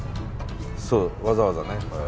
そうわざわざね。